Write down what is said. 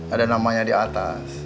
ada namanya di atas